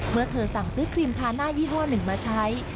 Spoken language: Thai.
เมื่อเธอสั่งซื้อครีมพาน่ายี่ห้อหนึ่งมาใช้